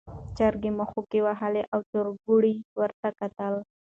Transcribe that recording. چرګې مښوکه وهله او چرګوړو ورته کتل.